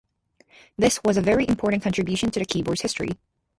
This was a very important contribution to the keyboard's history.